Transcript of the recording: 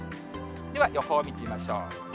では、予報を見てみましょう。